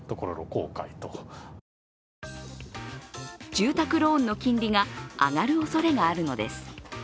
住宅ローンの金利が上がるおそれがあるのです。